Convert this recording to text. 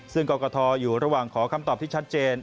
ซึ่งกรกฐอยู่ระหว่างขอคำตอบที่ชัดเจน